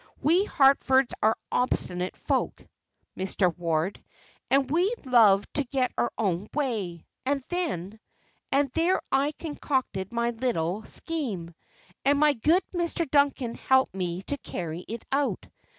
We Harfords are obstinate folk, Mr. Ward, and we love to get our own way, and then and there I concocted my little scheme, and my good Mr. Duncan helped me to carry it out.